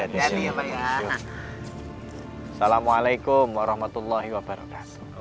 assalamualaikum warahmatullahi wabarakatuh